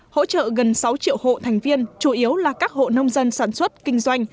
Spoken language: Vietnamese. hỗ trợ gần sáu triệu hộ thành viên chủ yếu là các hộ nông dân sản xuất kinh doanh